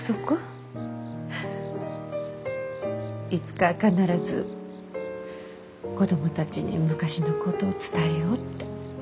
いつか必ず子供たちに昔のこと伝えようって。